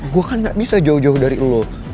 gue kan gak bisa jauh jauh dari lo